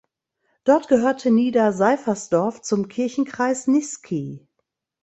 Dort gehörte Nieder Seifersdorf zum Kirchenkreis Niesky.